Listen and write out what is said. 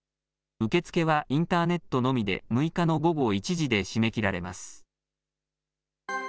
受け付けはインターネットのみで、６日の午後１時で締め切られます。